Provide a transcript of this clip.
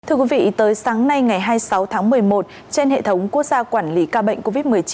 thưa quý vị tới sáng nay ngày hai mươi sáu tháng một mươi một trên hệ thống quốc gia quản lý ca bệnh covid một mươi chín